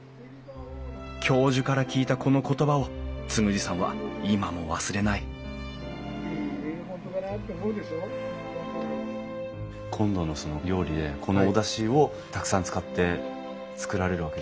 教授から聞いたこの言葉を嗣二さんは今も忘れない今度の料理でこのおだしをたくさん使って作られるわけですもんね。